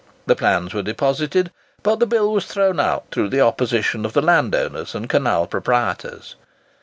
The plans were deposited, but the bill was thrown out through the opposition of the landowners and canal proprietors.